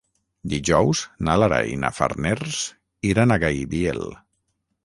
Dijous na Lara i na Farners iran a Gaibiel.